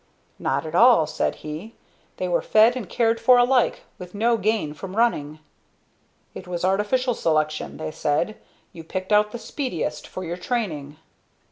"Not at all," said he. "They were fed and cared for alike, with no gain from running." "It was artificial selection," they said. "You picked out the speediest for your training."